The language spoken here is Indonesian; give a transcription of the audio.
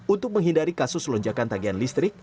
untuk menghindari kasus lonjakan tagihan listrik